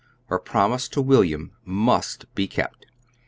Her promise to William must be kept.